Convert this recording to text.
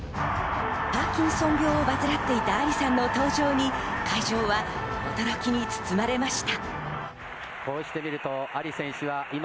パーキンソン病を患っていたアリさんの登場に、会場は驚きに包まれました。